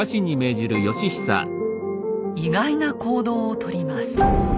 意外な行動を取ります。